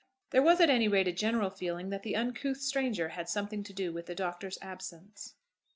There was at any rate a general feeling that the uncouth stranger had something to do with the Doctor's absence.